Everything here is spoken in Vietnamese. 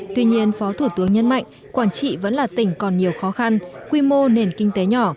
tuy nhiên phó thủ tướng nhấn mạnh quảng trị vẫn là tỉnh còn nhiều khó khăn quy mô nền kinh tế nhỏ